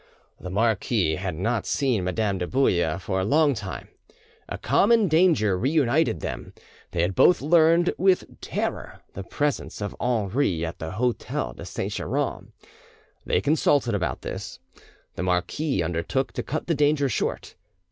The marquis had not seen Madame de Bouille for a long time; a common danger reunited them. They had both learned with terror the presence of Henri at the hotel de Saint Geran. They consulted about this; the marquis undertook to cut the danger short.